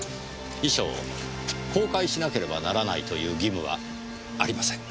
遺書を公開しなければならないという義務はありません。